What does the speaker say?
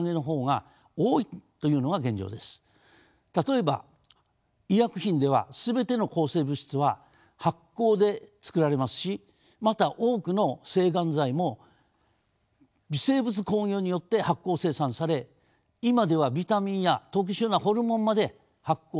例えば医薬品では全ての抗生物質は発酵でつくられますしまた多くの制がん剤も微生物工業によって発酵生産され今ではビタミンや特殊なホルモンまで発酵でつくられています。